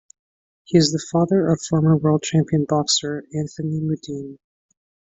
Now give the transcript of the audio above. He is the father of former world champion boxer Anthony Mundine.